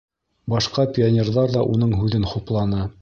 Башҡа пионерҙар ҙа уның һүҙен хупланы.